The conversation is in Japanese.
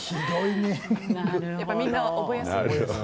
みんな覚えやすいです。